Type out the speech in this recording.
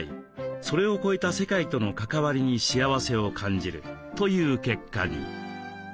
それを超えた世界との関わりに幸せを感じるという結果に。